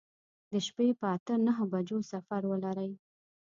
د شپې په اته نهو بجو سفر ولرئ.